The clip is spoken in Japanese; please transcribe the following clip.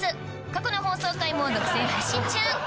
過去の放送回も独占配信中！